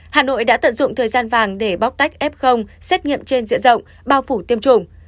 hà nội đã tận dụng thời gian vàng để bóc tách f xét nghiệm trên diện rộng bao phủ tiêm chủng